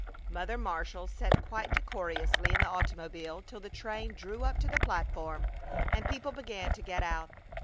Mother Marshall sat quite decorously in the automobile till the train drew up to the platform and people began to get out.